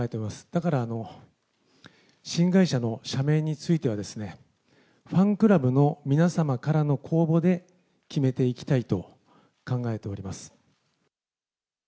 だから新会社の社名については、ファンクラブの皆様からの公募で決めていきたいと考えております。